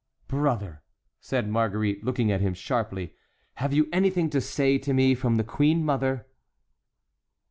"Brother," said Marguerite, looking at him sharply, "have you anything to say to me from the queen mother?"